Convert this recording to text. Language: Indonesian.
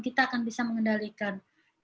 kita akan bisa mengendalikan